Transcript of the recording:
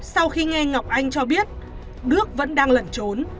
sau khi nghe ngọc anh cho biết đức vẫn đang lẩn trốn